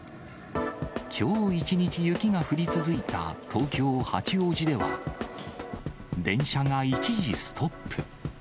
きょう一日雪が降り続いた東京・八王子では、電車が一時ストップ。